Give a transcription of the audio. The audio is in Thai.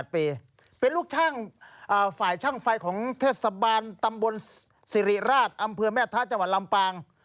เป็นลูกช่างฝ่ายช่างไฟของเทศบาลตำบลสิริราชอำเภอแม่ท้าจังหวัดลำปาง